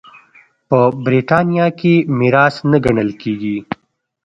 په برېټانیا کې میراث نه ګڼل کېږي.